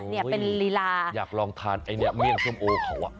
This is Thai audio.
เนี่ยเป็นลีลาอยากลองทานไอ้เนี่ยเมี่ยงส้มโอเขาอ่ะ